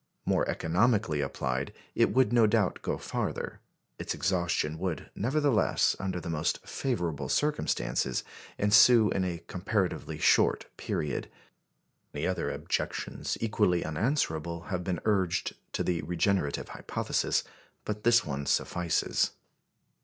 More economically applied, it would no doubt go farther. Its exhaustion would, nevertheless, under the most favourable circumstances, ensue in a comparatively short period. Many other objections equally unanswerable have been urged to the "regenerative" hypothesis, but this one suffices.